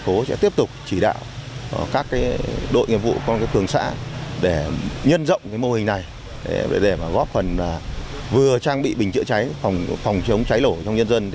công an tp sẽ tiếp tục chỉ đạo các đội nghiệp vụ các cường xã để nhân rộng mô hình này để góp phần vừa trang bị bình chữa cháy phòng chống cháy lổ trong nhân dân